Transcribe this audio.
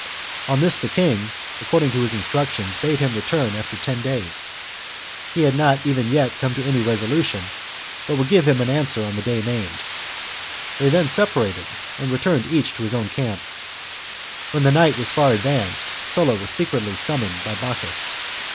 On this the king, according to his instructions, bade him return after ten days ; he had even yet not come to any resolution, but would give him an answer on the day named. They then separated and returned each to his own camp. When the night was far advanced Sulla was secretly summoned by Bocchus.